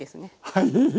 はい。